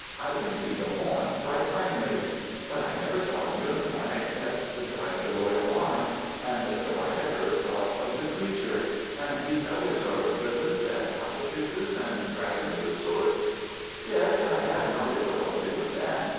"I can see the horn quite plainly, but I never saw a unicorn except beside the Royal Arms, and so I never thought of the creature. And these others are griffins and cockatrices, and dragons of sorts?" "Yes, I had no difficulty with them.